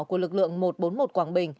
của lực lượng một trăm bốn mươi một qb